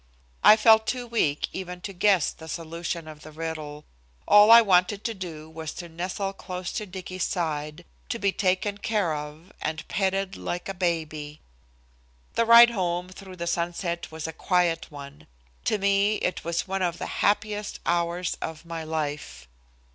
I felt too weak even to guess the solution of the riddle. All I wanted to do was to nestle close to Dicky's side, to be taken care of and petted like a baby. The ride home through the sunset was a quiet one. To me it was one of the happiest hours of my life.